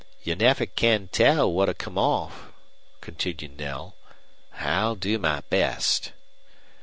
"You never can tell what'll come off," continued Knell. "I'll do my best."